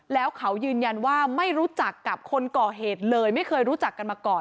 แล้วเขายืนยันว่าไม่รู้จักกับคนก่อเหตุเลยไม่เคยรู้จักกันมาก่อน